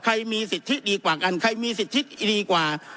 มีสิทธิดีกว่ากันใครมีสิทธิดีกว่า